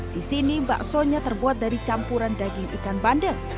di sini baksonya terbuat dari campuran daging ikan bandeng